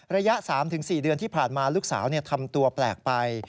ระยะ๓๔เดือนที่ผ่านมาลูกสาวทำตัวแปลกไป